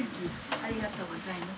ありがとうございます。